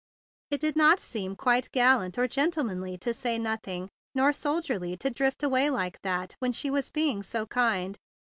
It did not seem quite gallant or gentlemanly to say THE BIG BLUE SOLDIER 137 nothing, nor soldierly to drift away like that when she was being so kind.